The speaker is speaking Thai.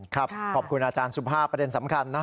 ขอบคุณอาจารย์สุภาพประเด็นสำคัญนะ